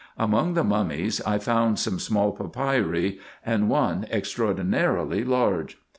Among the mummies I found some small papyri, and one extraordinarily large.